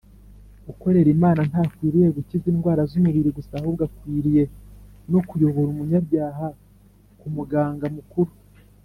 ukorera imana ntakwiriye gukiza indwara z’umubiri gusa, ahubwo akwiriye no kuyobora umunyabyaha ku muganga mukuru,